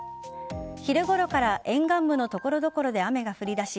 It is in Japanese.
昼頃から沿岸部の所々で雨が降りだし